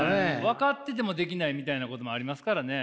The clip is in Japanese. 分かっててもできないみたいなこともありますからね。